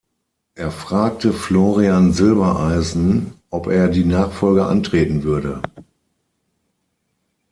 Er fragte Florian Silbereisen, ob er die Nachfolge antreten würde.